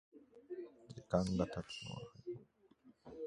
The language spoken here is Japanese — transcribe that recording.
時間がたつのは早い